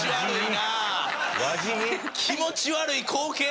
気持ち悪い光景！